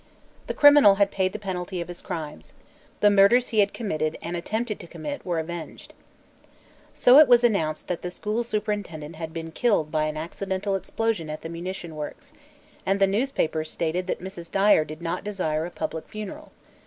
The criminal had paid the penalty of his crimes. The murders he had committed and attempted to commit were avenged. So it was announced that the school superintendent had been killed by an accidental explosion at the munition works, and the newspapers stated that Mrs. Dyer did not desire a public funeral.